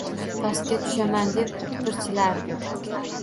Pastga tushaman deb tipirchilardi